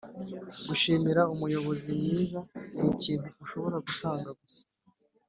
gushimira umuyobozi mwiza nikintu ushobora gutanga gusa.